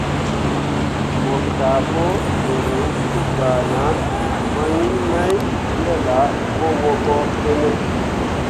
Mo kah bo vǝrǝǝ te gbana mawiin mai wel ah mo wobo ɗǝne ?